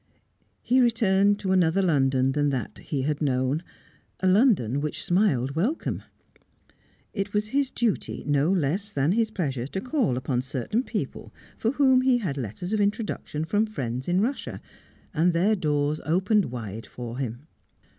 He returned to another London than that he had known, a London which smiled welcome. It was his duty, no less than his pleasure, to call upon certain people for whom he had letters of introduction from friends in Russia, and their doors opened wide to him.